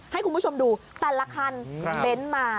ให้คุณผู้ชมดูแต่ละคันเบ้นมา